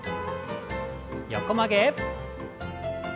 横曲げ。